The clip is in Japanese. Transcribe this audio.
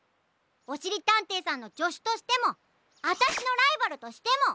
おしりたんていさんのじょしゅとしてもあたしのライバルとしても！